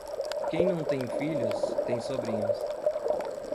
Quem não tem filhos, tem sobrinhos.